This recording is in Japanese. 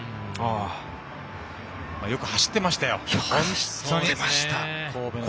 よく走ってましたよ、本当に。